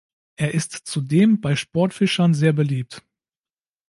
Er ist zudem bei Sportfischern sehr beliebt.